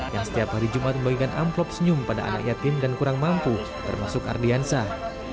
yang setiap hari jumat membagikan amplop senyum pada anak yatim dan kurang mampu termasuk ardiansah